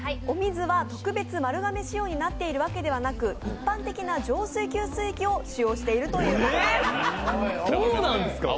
お水は、特別、丸亀仕様になっているわけではなく一般的な浄水給水器を使用しているということです。